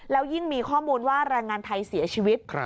แล้วยิ่งมีข้อมูลว่าแรงงานไทยเสียชีวิต